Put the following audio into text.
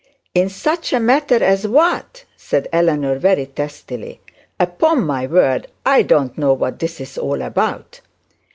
'In such a matter as what?' said Eleanor very testily. 'Upon my word I don't know what this is all about.'